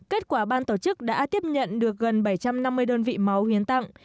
kết quả ban tổ chức đã tiếp nhận được gần bảy trăm năm mươi đơn vị máu huyến tặng